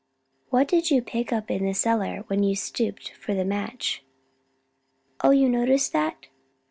"What did you pick up in the cellar when you stooped for the match?" "Oh, you noticed that?